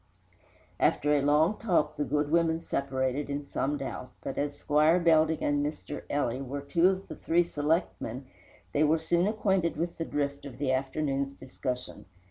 After a long talk the good women separated in some doubt, but as Squire Belding and Mr. Ely were two of the three selectmen, they were soon acquainted with the drift of the afternoon's discussion.